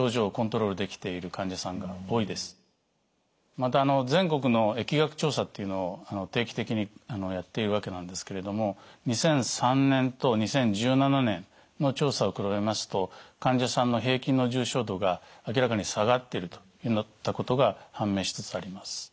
また全国の疫学調査っていうのを定期的にやっているわけなんですけれども２００３年と２０１７年の調査を比べますと患者さんの平均の重症度が明らかに下がっているといったことが判明しつつあります。